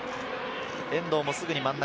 遠藤もすぐに真ん中。